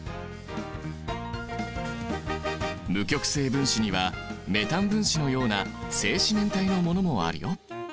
無極性分子にはメタン分子のような正四面体のものもあるよ。